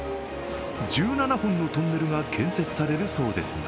１７本のトンネルが建設されるそうですが、